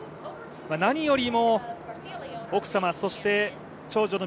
何よりも奥様そして長女と